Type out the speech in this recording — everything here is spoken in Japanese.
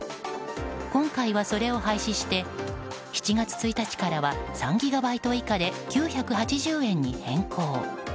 今回はそれを廃止して７月１日からは３ギガバイト以下で９８０円に変更。